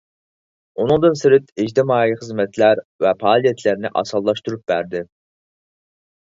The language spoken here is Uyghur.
ئۇنىڭدىن سىرت، ئىجتىمائىي خىزمەتلەر ۋە پائالىيەتلەرنى ئاسانلاشتۇرۇپ بەردى.